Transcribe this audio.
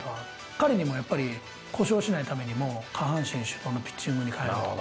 彼にもやっぱり、故障しないためにも、下半身主導のピッチングに変えろと。